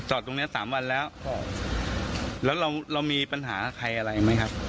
ตรงเนี้ยสามวันแล้วแล้วเราเรามีปัญหาใครอะไรไหมครับ